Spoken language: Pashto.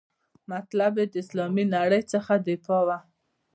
مطلب یې د اسلامي نړۍ څخه دفاع وه.